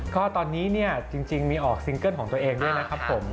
ก็ตอนนี้เนี่ยจริงมีออกซิงเกิ้ลของตัวเองด้วยนะครับผม